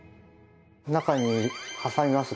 中に挟みます